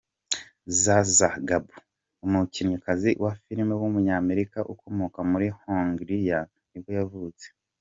Zsa Zsa Gabor, umukinnyikazi wa filime w’umunyamerika ukomoka muri Hongiriya nibwo yavutse.